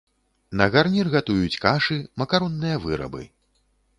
На гарнір гатуюць кашы, макаронныя вырабы.